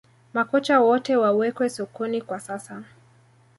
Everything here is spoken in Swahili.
Makocha wote wawekwe sokoni kwa sasa